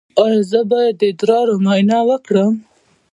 ایا زه باید د ادرار معاینه وکړم؟